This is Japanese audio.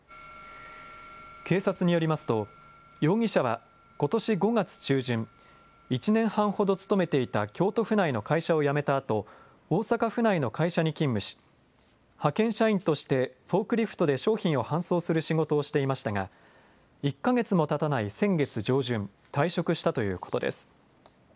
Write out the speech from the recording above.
警察によりますと容疑者はことし５月中旬、１年半ほど勤めていた京都府内の会社を辞めたあと大阪府内の会社に勤務し派遣社員としてフォークリフトで商品を搬送する仕事をしていましたが１か月もたたない先月上旬、退職したということです。